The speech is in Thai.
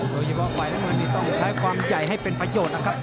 โดยเยี่ยมว่าไว้แล้วมันนี่ต้องใช้ความใจให้เป็นประโยชน์นะครับ